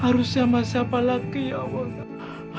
harusnya masih apa lagi ya allah